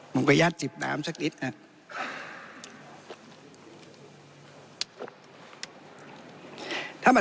ผมพยายามจิบน้ำสักนิดนะ